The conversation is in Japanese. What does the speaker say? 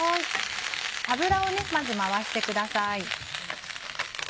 油をまず回してください。